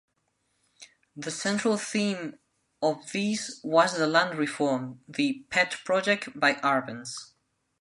The central theme of these was the land reform, the "pet project" of Arbenz.